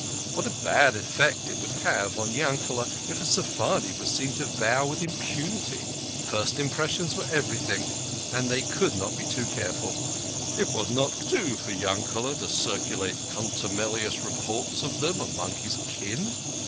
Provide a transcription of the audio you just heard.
What a bad effect it would have on Yankete if a Sephardi was seen to vow with impunity ! First impres sions were everything, and they could not be too careful. It would not do for Yankele to circulate contumelious reports of them among his kin.